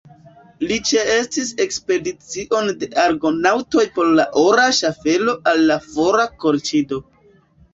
Li ĉeestis ekspedicion de Argonaŭtoj por la ora ŝaffelo al la fora Kolĉido.